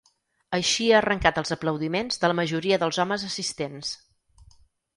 Així ha arrencat els aplaudiments de la majoria dels homes assistents.